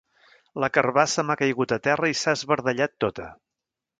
La carbassa m'ha caigut a terra i s'ha esbardellat tota.